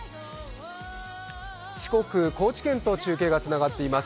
四国高知県と中継がつながっています。